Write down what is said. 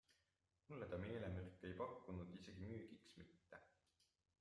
Mulle ta meelemürke ei pakkunud, isegi müügiks mitte.